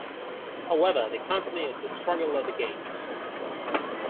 However, they continued to struggle at the gate.